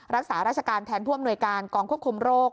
รักษาราชการแทนผู้อำนวยการกองควบคุมโรค